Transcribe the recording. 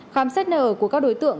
khám xét nở của các đối tượng